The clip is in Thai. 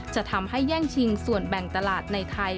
จะทำให้แย่งชิงส่วนแบ่งตลาดในไทย